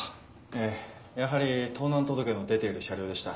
ええやはり盗難届の出ている車両でした。